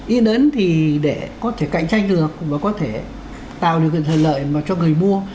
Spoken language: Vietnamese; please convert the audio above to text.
in ấn thì để có thể cạnh tranh được và có thể tạo được lợi cho người mua